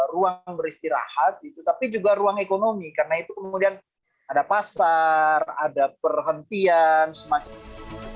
ruang beristirahat gitu tapi juga ruang ekonomi karena itu kemudian ada pasar ada perhentian semacam itu